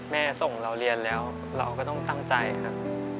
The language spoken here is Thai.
ส่งเราเรียนแล้วเราก็ต้องตั้งใจครับ